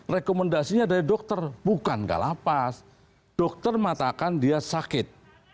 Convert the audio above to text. rekomendasinya dari dokter bukan kalapas dokter mengatakan dia sakit